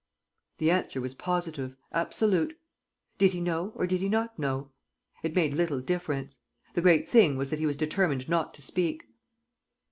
The answer was positive, absolute. Did he know or did he not know? It made little difference. The great thing was that he was determined not to speak.